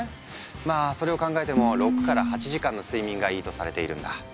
まあそれを考えても６８時間の睡眠がいいとされているんだ。